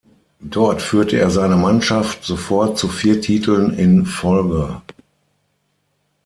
Dort führte er seine Mannschaft sofort zu vier Titeln in Folge.